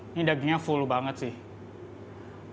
ini dagingnya full banget sih